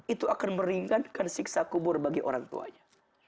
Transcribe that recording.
itu akan meringankan siksa kubur bagi orang tuanya